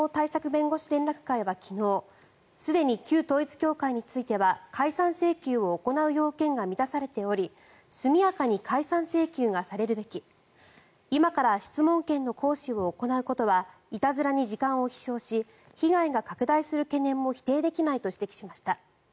弁護士連絡会は昨日すでに旧統一教会については解散請求を行う要件が満たされており速やかに解散請求がされるべき今から質問権の行使を行うことはいたずらに時間を費消し被害が拡大する懸念も否定できないと指摘しました。